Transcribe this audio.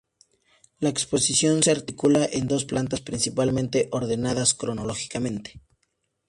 La exposición se articula en dos plantas principalmente ordenadas cronológicamente.